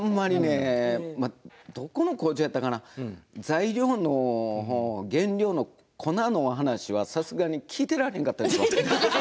どこの工場やったかな材料の原料の粉の話はさすがに聞いてらへんかった。